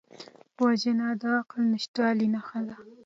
وژنه د عقل نشتوالي نښه ده